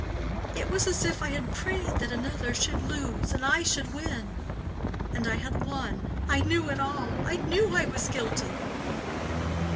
It was as if I had prayed that another should lose and I should win. And I had won, I knew it all—I knew I was guilty.